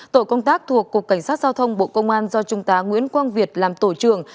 tổ công tác thuộc cục cảnh sát giao thông bộ công an do trung tá nguyễn quang việt làm tổ trưởng